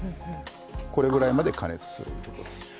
これぐらいまで加熱するということです。